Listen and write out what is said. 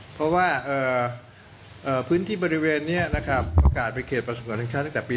เพราะว่าพื้นที่บริเวณนี้ประกาศเป็นเขตปราสมวนในชาติตั้งแต่ปี๒๕๒๗